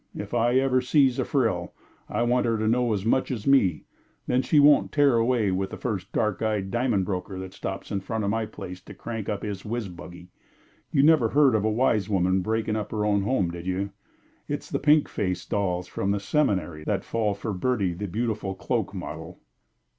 If I ever seize a frill, I want her to know as much as me; then she won't tear away with the first dark eyed diamond broker that stops in front of my place to crank up his whizz buggy. You never heard of a wise woman breaking up her own home, did you? It's the pink faced dolls from the seminary that fall for Bertie the Beautiful Cloak Model."